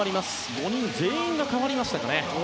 ５人全員が代わりました。